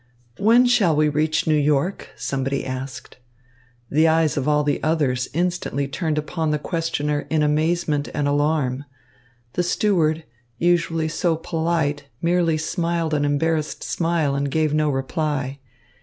"When shall we reach New York?" somebody asked. The eyes of all the others instantly turned upon the questioner in amazement and alarm. The steward, usually so polite merely smiled an embarrassed smile and gave no reply.